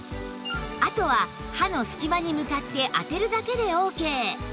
あとは歯の隙間に向かって当てるだけでオーケー